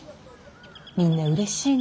みんなうれしいのよ。